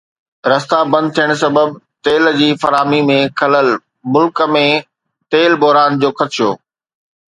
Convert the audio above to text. رستا بند ٿيڻ سبب تيل جي فراهمي ۾ خلل، ملڪ ۾ تيل بحران جو خدشو